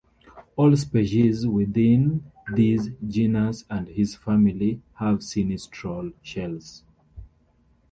All species within this genus and this family have sinistral shells.